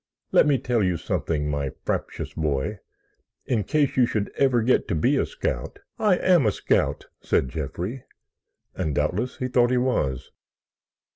Let me tell you something, my fraptious boy, in case you should ever get to be a scout——" "I am a scout," said Jeffrey, and doubtless he thought he was.